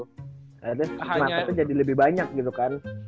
nah terus mata tuh jadi lebih banyak gitu kan